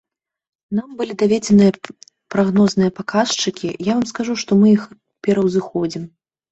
Нам былі даведзеныя прагнозныя паказчыкі, я вам скажу, што мы іх пераўзыходзім.